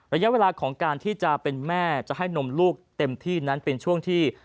ระยะเวลาของการที่จะเป็นแม่จะให้นมลูกเต็มที่นั้นเป็นช่วงที่